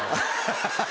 ハハハ！